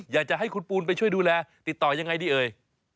อยากจะให้คุณปูนไปช่วยดูแลติดต่อยังไงดีเอ่ย